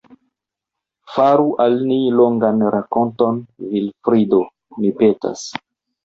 Faru al ni longan rakonton, Vilfrido, mi petas.